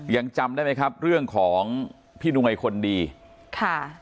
ยังจำได้ไหมครับเรื่องของพี่ดุงัยคนดีค่ะ